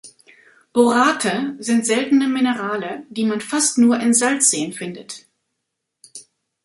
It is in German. Borate sind seltene Minerale, die man fast nur in Salzseen findet.